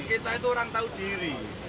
kita itu orang tahu diri